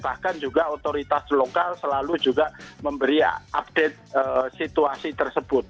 bahkan juga otoritas lokal selalu juga memberi update situasi tersebut